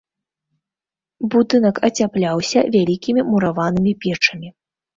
Будынак ацяпляўся вялікімі мураванымі печамі.